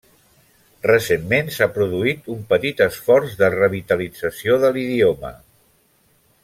Recentment s'ha produït un petit esforç de revitalització de l'idioma.